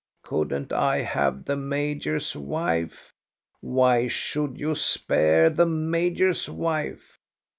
Couldn't I have the major's wife? Why should you spare the major's wife?